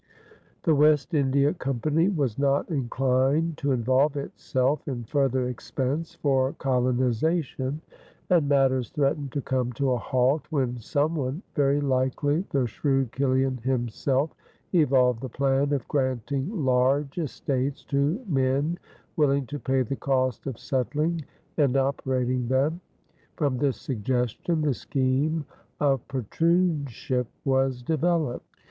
The West India Company was not inclined to involve itself in further expense for colonization, and matters threatened to come to a halt, when someone, very likely the shrewd Kiliaen himself, evolved the plan of granting large estates to men willing to pay the cost of settling and operating them. From this suggestion the scheme of patroonship was developed.